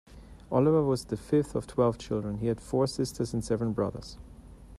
Oliver was the fifth of twelve children; he had four sisters and seven brothers.